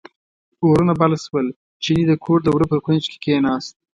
اورونه بل شول، چیني د کور د وره په کونج کې کیناست.